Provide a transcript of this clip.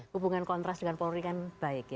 hubungan kontras dengan polri kan baik